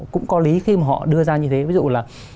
cũng có lý khi mà họ đưa ra như thế ví dụ là